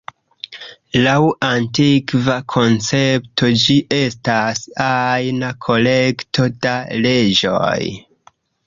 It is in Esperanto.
Laŭ antikva koncepto, ĝi estas ajna kolekto da leĝoj.